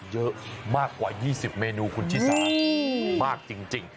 เยอะมากกว่า๒๐เมนูคุณชิสามากจริง